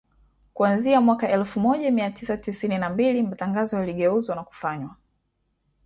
Kuanzia mwaka elfu moja mia tisa sitini na mbili matangazo yaligeuzwa na kufanywa